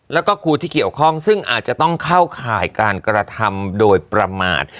แล้วก็ครูที่เกี่ยวข้องซึ่งอาจจะต้องเข้าข่ายการกระทำโดยประมาท